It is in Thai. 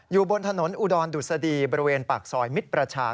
อยู่บนถนนอุดรดุษฎีบริเวณปากซอยมิตรประชา